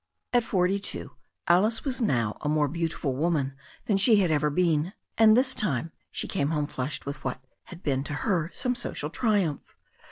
At forty two Alice was now a more beautiful woman than she had ever been. And this time she came home flushed with what had been to her some social triumph.